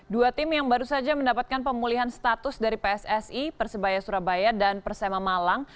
dua tim yang baru saja mendapatkan pemulihan status dari pssi persebaya surabaya dan persema malang